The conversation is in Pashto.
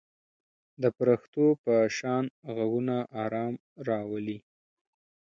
د پرښتو په شان غږونه آرام راولي.